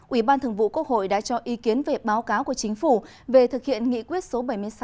ủy ban thường vụ quốc hội đã cho ý kiến về báo cáo của chính phủ về thực hiện nghị quyết số bảy mươi sáu hai nghìn một mươi bốn